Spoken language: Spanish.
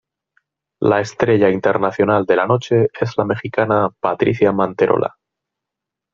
La estrella internacional de la noche es la mexicana Patricia Manterola.